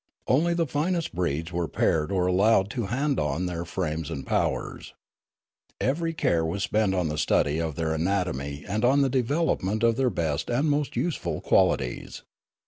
Only the finest breeds were paired or allowed to hand on their frames and powers. Every care was spent on the study of their anatomy and on the development of their best and most useful qualities.